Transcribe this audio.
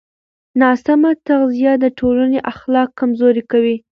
ناسمه تغذیه د ټولنې اخلاق کمزوري کوي.